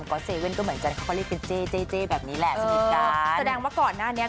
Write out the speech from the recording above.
เกินพี่น้องหรือเปล่า